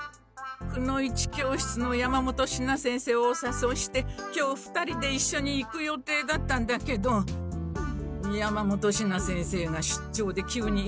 くの一教室の山本シナ先生をおさそいして今日２人で一緒に行く予定だったんだけど山本シナ先生が出張で急に行けなくなって。